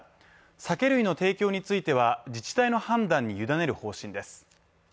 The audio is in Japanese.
酒類の提供については、自治体の判断に委ねる方針です。